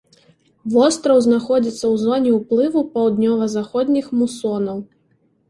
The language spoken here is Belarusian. Востраў знаходзіцца ў зоне ўплыву паўднёва-заходніх мусонаў.